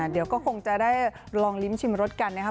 เดี๋ยวก็คงจะได้ลองลิ้มชิมรสกันนะครับ